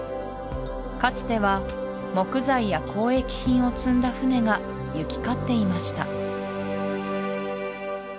かつては木材や交易品を積んだ船が行き交っていました